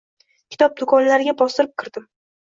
Kitob do’konlariga bostirib kirdim